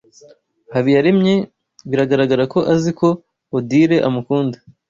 Habiyambere biragaragara ko azi ko Odile amukunda.